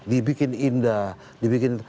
dibikin indah dibikin